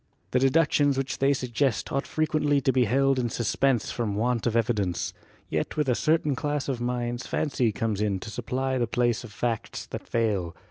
The deductions which they suggest ought frequently to be held in suspense from want of evidence. Yet with a certain class of minds fancy comes in to supply the place of facts that fail.